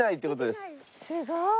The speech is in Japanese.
すごーい。